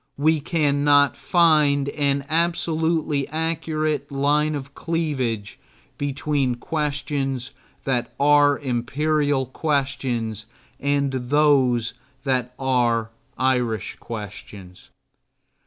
We cannot find an absolutely accurate line of cleavage between questions that are imperial questions and those that are Irish questions.